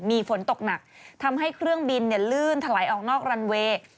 มีฝนตกหนักทำให้เครื่องบินลื่นถลายออกนอกรันเวย์